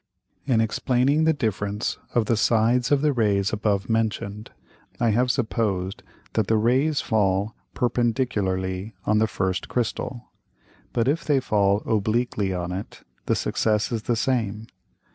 In explaining the difference of the Sides of the Rays above mention'd, I have supposed that the Rays fall perpendicularly on the first Crystal. But if they fall obliquely on it, the Success is the same.